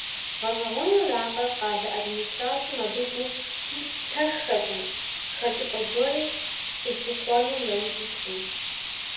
ГъэщӀэгъуэнракъэ, къалэ администрацэм абы гу лъитэххэркъым, хэкӀыпӀэ гуэри къилъыхъуэну яужь иткъым.